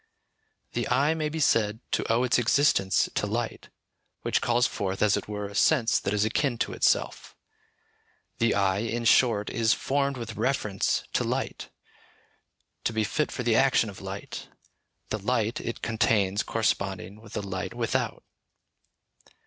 The eye may be said to owe its existence to light, which calls forth, as it were, a sense that is akin to itself; the eye, in short, is formed with reference to light, to be fit for the action of light; the light it contains corresponding with the light without.